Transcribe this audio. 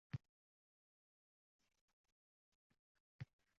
Fotima bo'y yetgan qizlar kabi atrofdan so'rala boshlandi.